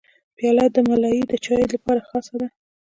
پیاله د ملای د چای لپاره خاصه ده.